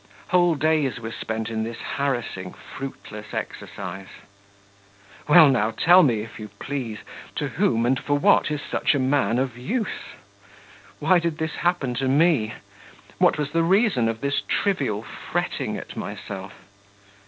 Whole days were spent in this harassing, fruitless exercise. Well now, tell me, if you please, to whom and for what is such a man of use? Why did this happen to me? what was the reason of this trivial fretting at myself?